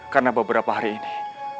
karena beberapa hari ini